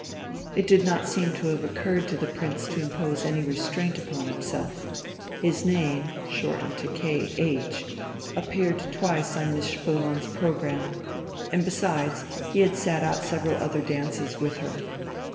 It did not seem to have occurred to the Prince to impose any restraint upon himself. His name shortened to "K. H." appeared twice on Miss Spoelmann's programme, and besides he had sat out several other dances with her.